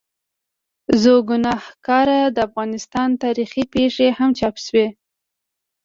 زړوګناهکار، د افغانستان تاریخي پېښې هم چاپ شوي.